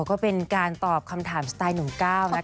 ก็เป็นการตอบคำถามสไตล์หนุ่มก้าวนะคะ